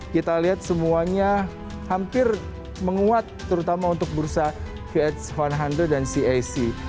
kita lihat semuanya hampir menguat terutama untuk bursa qh seratus dan cac